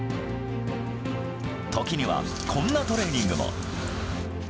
ときには、こんなトレーニングも。